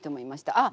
あっ！